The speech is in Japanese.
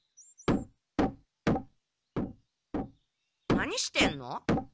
何してんの？